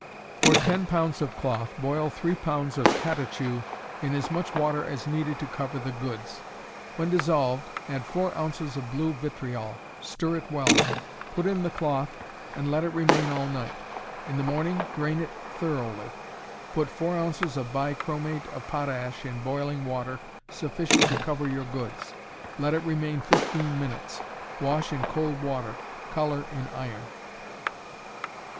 _ For ten pounds of cloth boil three pounds of catechu in as much water as needed to cover the goods. When dissolved, add four ounces of blue vitriol; stir it well; put in the cloth and let it remain all night; in the morning drain it thoroughly; put four ounces of bi chromate of potash in boiling water sufficient to cover your goods; let it remain 15 minutes; wash in cold water; color in iron.